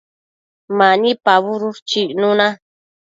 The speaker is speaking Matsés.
Mani pabudush chicnuna